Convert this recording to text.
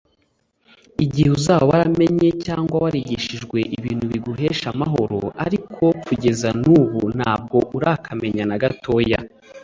igihe uzaba waramenye cyangwa warigishijwe ibintu biguhesha amahoro Ariko kugeza nubu ntabwo urakamenya nagatoya.